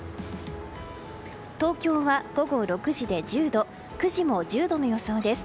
東京は午後６時で１０度９時も１０度の予想です。